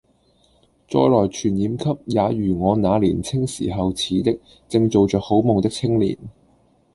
再來傳染給也如我那年青時候似的正做著好夢的青年。